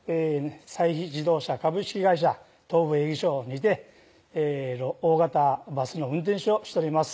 西肥自動車株式会社東部営業所にて大型バスの運転手をしております